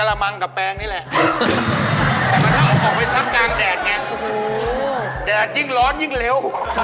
แดดยิ่งร้อนยิ่งเลว